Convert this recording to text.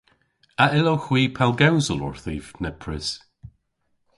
A yllowgh hwi pellgewsel orthiv nepprys?